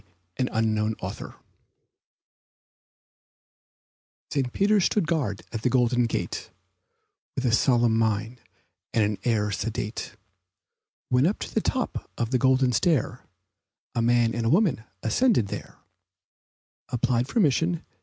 [ANONYMOUS] ST. PETER AT THE GATE St. Peter stood guard at the golden gate With a solemn mien and an air sedate, When up to the top of the golden stair A man and a woman ascending there, Applied for admission.